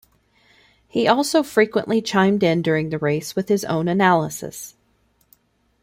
He also frequently chimed in during the race with his own analysis.